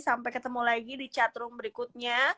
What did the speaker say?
sampai ketemu lagi di chat room berikutnya